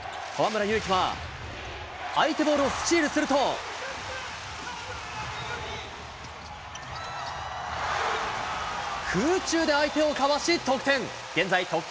河村勇輝は相手ボールをスチールすると、空中で相手をかわし得点。